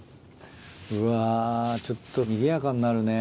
うわちょっとにぎやかになるね。